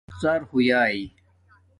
ڎݸ ہݸ یا